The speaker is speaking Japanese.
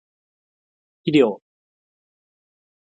肥料